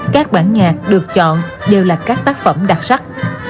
các bản nhạc được chọn đều là các tác phẩm đặc sắc